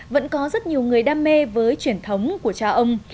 vẫn có rất nhiều người đam mê với truyền thống của cha ông